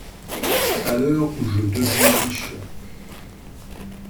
A l'heure où je deviens riche!